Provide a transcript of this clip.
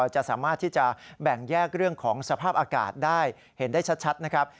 จะสามารถที่จะแบ่งแยกเรื่องของสภาพอากาศได้เห็นได้ชัดนะครับ